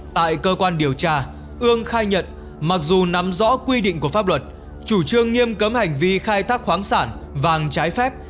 tại cơ quan điều tra ương khai nhận mặc dù nắm rõ quy định của pháp luật chủ trương nghiêm cấm hành vi khai thác khoáng sản vàng trái phép